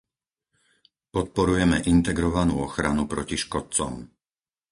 Podporujeme integrovanú ochranu proti škodcom.